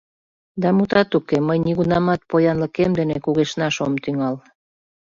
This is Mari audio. — Да, мутат уке, мый нигунамат поянлыкем дене кугешнаш ом тӱҥал!